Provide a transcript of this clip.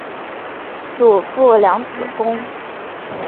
祖父梁子恭。